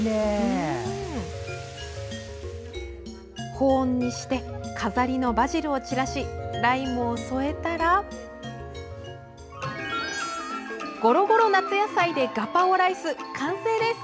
保温にして飾りのバジルを散らし、ライムを添えたらゴロゴロ夏野菜でガパオライス完成です。